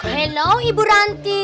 halo ibu ranti